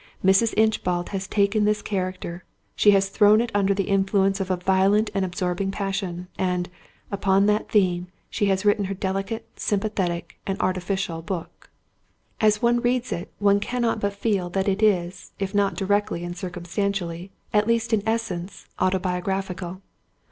Mrs. Inchbald has taken this character, she has thrown it under the influence of a violent and absorbing passion, and, upon that theme, she has written her delicate, sympathetic, and artificial book. As one reads it, one cannot but feel that it is, if not directly and circumstantially, at least in essence, autobiographical.